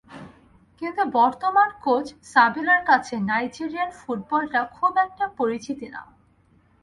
কিন্তু বর্তমান কোচ সাবেলার কাছে নাইজেরিয়ান ফুটবলটা খুব একটা পরিচিত না।